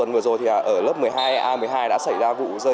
mình rất là lo sợ